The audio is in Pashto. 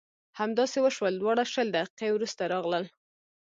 همداسې وشول دواړه شل دقیقې وروسته راغلل.